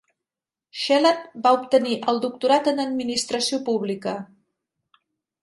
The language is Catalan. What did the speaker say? Shelat va obtenir el doctorat en administració pública.